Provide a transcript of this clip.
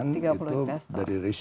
dan sisanya itu dari equity